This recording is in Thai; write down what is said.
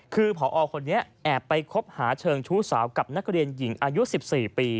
คือพอคนนี้แอบไปคบหาเชิงชู้สาวกับนักเรียนหญิงอายุ๑๔ปี